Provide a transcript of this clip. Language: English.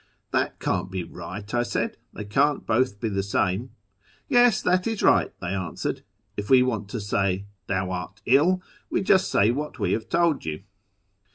" That can't be right," I said ;" they can't both be the same." " Yes, that is right," they answered ;" if we want to say ' thou art ill ' we say just what we have told you."